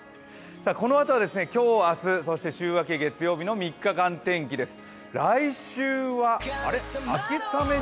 このあとは今日、明日、そして週明け月曜日の３日間天気です。